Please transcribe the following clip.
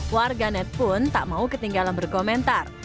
warga net pun tak mau ketinggalan berkomentar